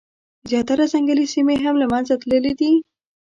زیاتره ځنګلي سیمي هم له منځه تللي دي.